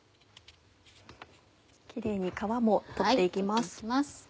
キレイに皮も取って行きます。